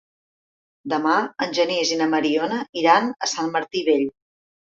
Demà en Genís i na Mariona iran a Sant Martí Vell.